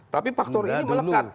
tapi faktor ini melekat